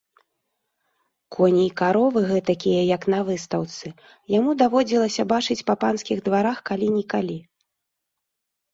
Коні і каровы гэтакія, як на выстаўцы, яму даводзілася бачыць па панскіх дварах калі-нікалі.